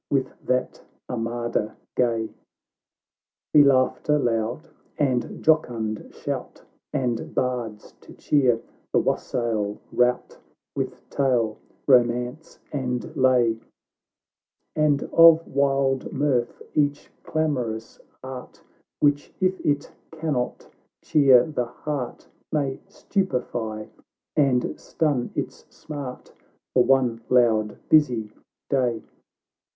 With that armada gay Ee laughter loud and jocund shout, And bards to cheer the wassail rout, W ith tale, romance, and lay ; And of wild mirth each clamorous art, Which, if it cannot cheer the heart, May stupify and stun its smart, For one loud busy day.